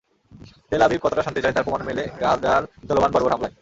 তেল আবিব কতটা শান্তি চায়, তার প্রমাণ মেলে গাজার চলমান বর্বর হামলায়।